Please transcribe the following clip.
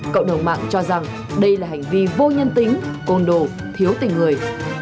cộng đồng mạng cho rằng đây là hành vi vô nhân tính côn đồ thiếu tình người